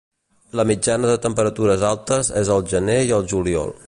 La mitjana de temperatures altes és al gener i al juliol.